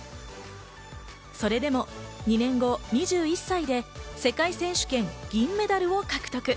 それでも２年後、２１歳で世界選手権・銀メダルを獲得。